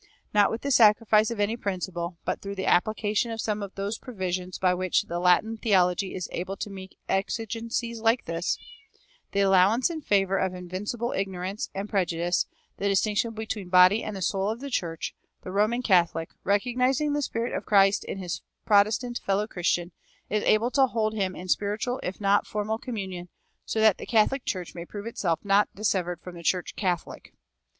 Not with the sacrifice of any principle, but through the application of some of those provisions by which the Latin theology is able to meet exigencies like this, the allowance in favor of "invincible ignorance" and prejudice, the distinction between the body and "the soul of the church," the Roman Catholic, recognizing the spirit of Christ in his Protestant fellow Christian, is able to hold him in spiritual if not formal communion, so that the Catholic Church may prove itself not dissevered from the Church Catholic.